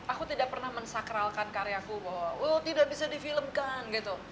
aku tidak pernah mensakralkan karyaku bahwa tidak bisa di filmkan